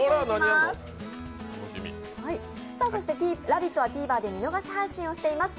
「ラヴィット！」はＴＶｅｒで見逃し配信をしています。